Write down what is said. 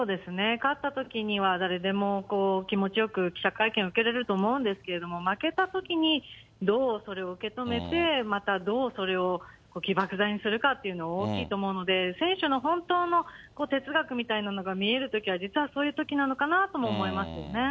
勝ったときには、誰でも気持ちよく記者会見受けれると思うんですけれども、負けたときにどうそれを受け止めて、またどうそれを起爆剤にするかっていうの、大きいと思うので、選手の本当の哲学みたいなのが見えるときは、実は、そういうときなのかなとも思いますよね。